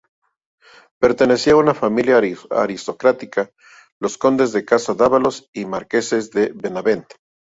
Pertenecía a una familia aristocrática, los condes de Casa Dávalos y marqueses de Benavent.